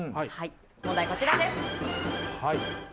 問題はこちらです。